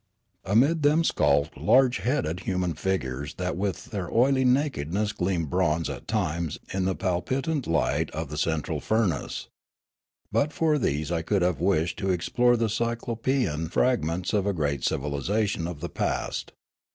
Amid them skulked large headed human figures that with their oily nakedness gleamed bronze at times in the palpitant light of the central furnace. But for these I could have wished to explore the cyclopean fragments of a great civilisation of the past.